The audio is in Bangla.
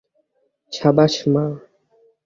সাবাশ, মা!